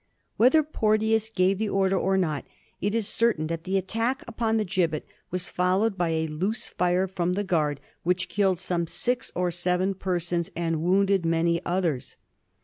Whether Porteous gave the order or not, it is certain that the attack upon the gibbet was followed by a loose fire from the guard which killed some six or seven per sons and wounded many others.